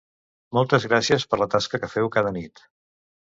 Moltes gràcies per la tasca que feu cada nit!